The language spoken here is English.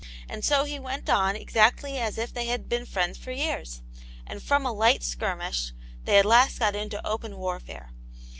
And so he went on exactly as if they had been friends for years, and from a light skirmish they at last got into open warfare.